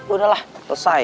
udah lah selesai